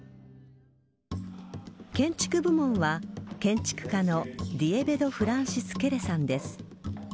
建築部門は建築家のディエベド・フランシス・ケレさんです。